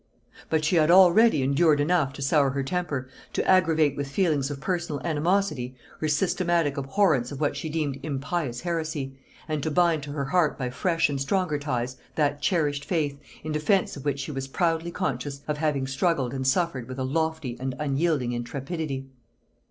But she had already endured enough to sour her temper, to aggravate with feelings of personal animosity her systematic abhorrence of what she deemed impious heresy, and to bind to her heart by fresh and stronger ties that cherished faith, in defence of which she was proudly conscious of having struggled and suffered with a lofty and unyielding intrepidity.